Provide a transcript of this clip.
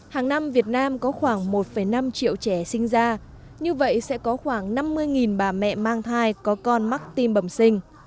hàng năm việt nam có khoảng một năm triệu trẻ sinh ra như vậy sẽ có khoảng năm mươi bà mẹ mang thai có con mắc tim bẩm sinh